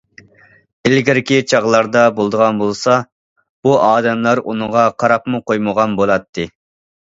ئىلگىرىكى چاغلار بولىدىغان بولسا، بۇ ئادەملەر ئۇنىڭغا قاراپمۇ قويمىغان بولاتتى.